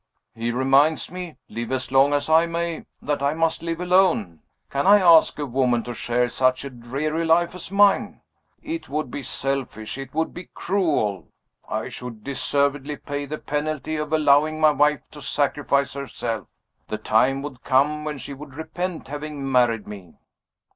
"He reminds me live as long as I may that I must live alone. Can I ask a woman to share such a dreary life as mine? It would be selfish, it would be cruel; I should deservedly pay the penalty of allowing my wife to sacrifice herself. The time would come when she would repent having married me."